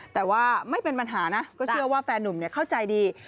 แต่ว่าไม่เป็นปัญหานะก็เชื่อว่าแฟนนุ่มเข้าใจดี